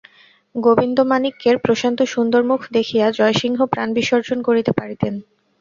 গোবিন্দমাণিক্যের প্রশান্ত সুন্দর মুখ দেখিয়া জয়সিংহ প্রাণ বিসর্জন করিতে পারিতেন।